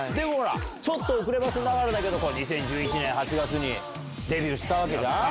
ちょっと遅ればせながらだけど２０１１年８月にデビューしたじゃん。